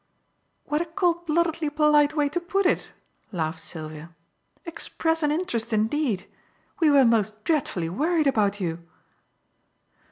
"What a cold bloodedly polite way to put it!" laughed Sylvia. "'Express an interest,' indeed! We were most dreadfully worried about you."